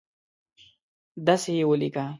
دسي یې ولیکه